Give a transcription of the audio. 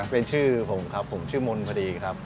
เป็นชื่อผมครับผมชื่อมนต์พอดีครับ